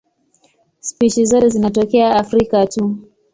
Spishi zote zinatokea Afrika tu.